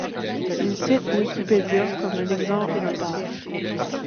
Il cite Wikipédia comme exemple notable.